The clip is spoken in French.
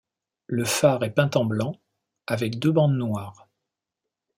Le phare est peint en blanc, avec deux bandes noires.